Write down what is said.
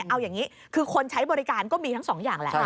เอาอย่างนี้คือคนใช้บริการก็มีทั้งสองอย่างแหละ